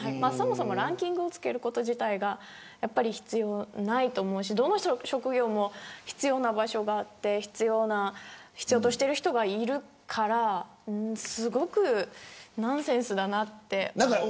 ランキングをつけること自体がやっぱり必要ないと思うしどの職業も必要な場所があって必要としている人がいるからすごくナンセンスだなって思いますね。